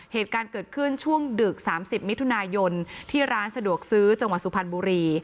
เหตุการณ์เกิดขึ้นช่วงดึก๓๐มิถุนายนที่ร้านสะดวกซื้อจังหวัดสุพรรณบุรี